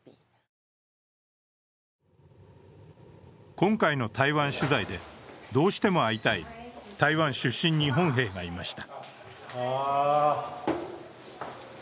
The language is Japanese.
今回の台湾取材で、どうしても会いたい台湾出身日本兵がいました。